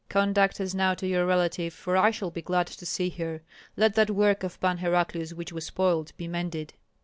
Conduct us now to your relative, for I shall be glad to see her. Let that work of Pan Heraclius which was spoiled be mended."